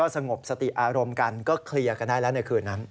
สงบสติอารมณ์ก็เคลียร์กันได้ในคนนั้น